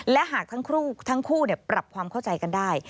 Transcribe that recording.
และหากทั้งคู่ปรับความเข้าใจกันได้